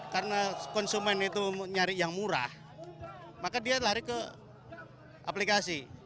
karena konsumen itu nyari yang murah maka dia lari ke aplikasi